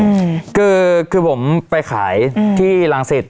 อืมคือคือผมไปขายอืมที่รังสิต